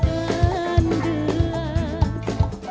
kau tak niatkan gelap